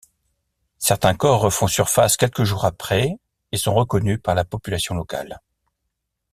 Certains corps refont surface quelques jours après et sont reconnus par la population locale.